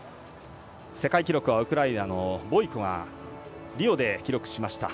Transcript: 世界記録はウクライナの選手がリオで記録しました。